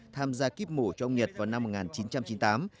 tham gia kíp mổ cho ông nhật vào năm một nghìn chín trăm chín mươi tám